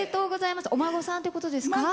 お孫さんってことですか。